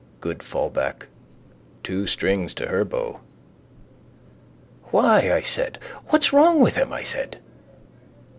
Good fallback. Two strings to her bow. —Why? I said. What's wrong with him? I said.